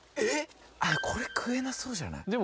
これ食えなそうじゃない？